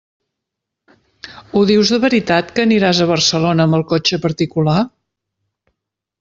Ho dius de veritat que aniràs a Barcelona amb el cotxe particular?